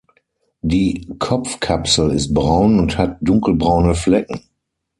Die Kopfkapsel ist braun und hat dunkelbraune Flecken.